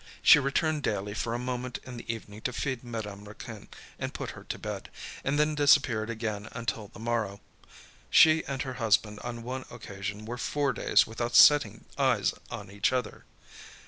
She returned daily for a moment, in the evening to feed Madame Raquin and put her to bed, and then disappeared again until the morrow. She and her husband on one occasion were four days without setting eyes on each other.